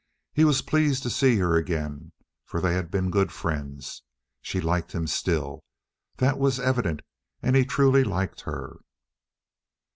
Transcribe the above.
He was pleased to see her again, for they had been good friends. She liked him still—that was evident, and he truly liked her.